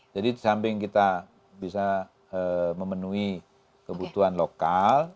jadi disamping kita bisa memenuhi kebutuhan lokal